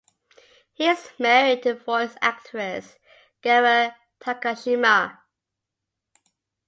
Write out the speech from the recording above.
He is married to voice actress Gara Takashima.